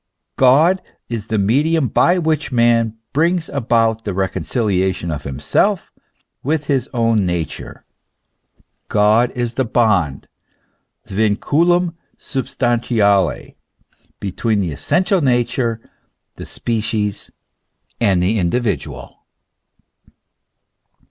God is the medium by which man brings about the reconcili ation of himself with his own nature : God is the bond, the vinculiim substantiate, between the essential nature the species and the individual.